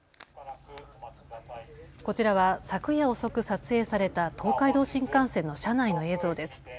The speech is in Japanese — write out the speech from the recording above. こちらは昨夜遅く撮影された東海道新幹線の車内の映像です。